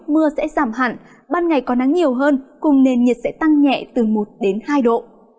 mưa sẽ giảm hẳn ban ngày có nắng nhiều hơn cùng nền nhiệt sẽ tăng nhẹ từ một đến hai độ